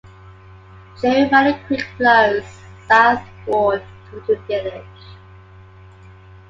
Cherry Valley Creek flows southward through the village.